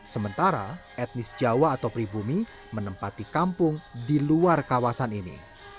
sementara etnis jawa atau pribumi menempati kampung di luar kawasan ini